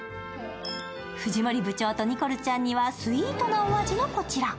藤森部長とニコルちゃんにはスイートな味のこちら。